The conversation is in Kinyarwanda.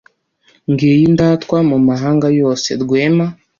ngiyi indatwa mu mahanga yose, rwema».